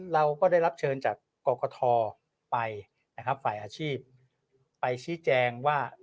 เราก็ได้รับเชิญจากกรกฐไปนะครับฝ่ายอาชีพไปชี้แจงว่า